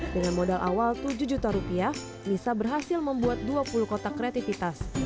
dengan modal awal tujuh juta rupiah nisa berhasil membuat dua puluh kotak kreativitas